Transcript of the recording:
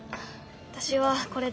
私はこれで。